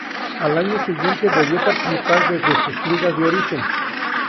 Al año siguiente volvió a participar desde sus liga de origen.